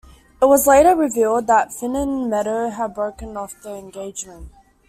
It was later revealed that Finn and Meadow had broken off the engagement.